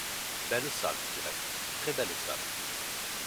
Belle salle, du reste… très belle salle…